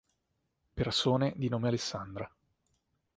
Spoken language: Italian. Persone di nome Alessandra